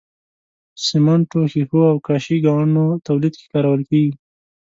سمنټو، ښيښو او کاشي ګانو تولید کې کارول کیږي.